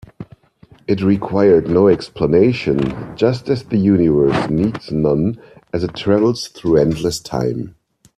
It required no explanation, just as the universe needs none as it travels through endless time.